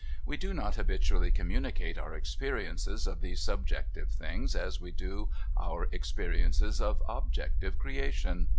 We do not habitually communicate our experiences of these subjective things as we do our experiences of objective creation.